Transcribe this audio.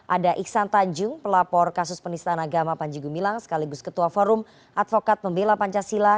ada iksan tanjung pelapor kasus penistaan agama panji gumilang sekaligus ketua forum advokat pembela pancasila